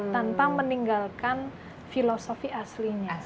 tanpa meninggalkan filosofi aslinya